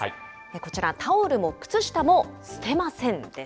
こちら、タオルも靴下も捨てませんです。